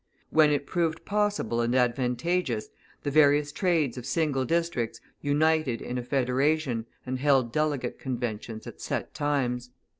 When it proved possible and advantageous, the various trades of single districts united in a federation and held delegate conventions at set times.